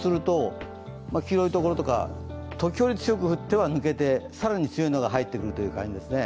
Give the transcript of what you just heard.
黄色いところとか、時折強く降っては抜けて更に強いのが入ってくるという感じですね。